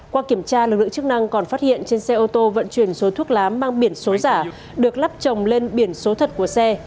qua kiểm tra lực lượng chức năng còn phát hiện trên xe ô tô vận chuyển số thuốc lá mang biển số giả được lắp trồng lên biển số thật của xe